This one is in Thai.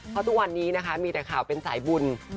เพราะทุกวันนี้นะคะมีแต่ข่าวเป็นสายบุญ